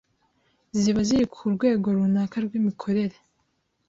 ziba ziri ku rwego runaka rw'imikorere